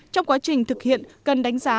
trong quá trình thực hiện cần đánh giá